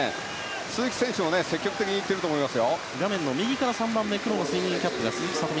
鈴木選手も積極的に行っていると思います。